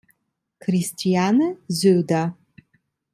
Christiane Söder